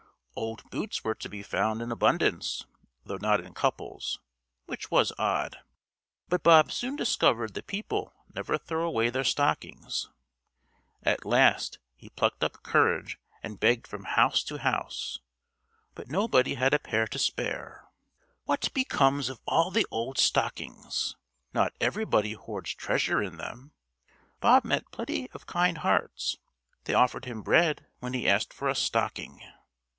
Old boots were to be found in abundance though not in couples (which was odd); but Bob soon discovered that people never throw away their stockings. At last he plucked up courage and begged from house to house, but nobody had a pair to spare. What becomes of all the old stockings? Not everybody hoards treasure in them. Bob met plenty of kind hearts; they offered him bread when he asked for a stocking.